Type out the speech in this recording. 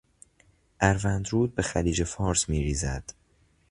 اروند رود به خلیج فارس میریزد.